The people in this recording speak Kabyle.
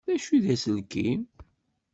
D acu i d aselkim?